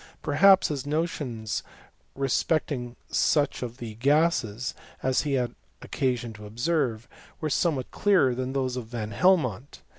Perhaps his notions respecting such of the gasesy as he had occasion to observe, were somewhat J clearer than those of Van Helmont.